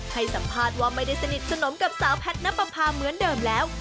ให้สัมภาษณ์ว่าไม่ได้สนิทสนมกับสาวแพทย์นับประพาเหมือนเดิมแล้ว